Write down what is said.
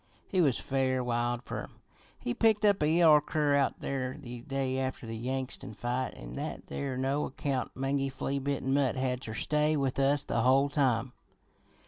He was fair wild fer 'em. He picked up a yeller cur out there the day after the Yangtsin fight, an' that there no account, mangy, flea bitten mutt had ter stay with us the whole time.